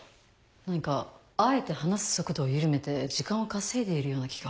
何かあえて話す速度を緩めて時間を稼いでいるような気が。